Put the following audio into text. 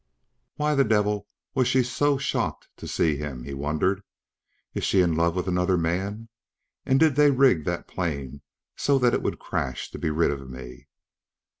Why the devil was she so shocked to see him, he wondered. Is she in love with another man and did they rig that plane so it would crash to be rid of me?